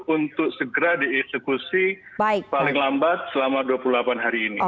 untuk segera dieksekusi paling lambat selama dua puluh delapan hari ini